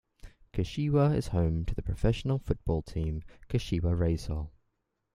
Kashiwa is home to the professional football team Kashiwa Reysol.